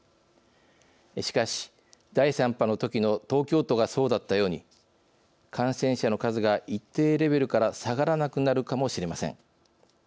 しかし、第３波のときの東京都がそうだったように感染者の数が一定のレベルから下がらなくなるかもしれません。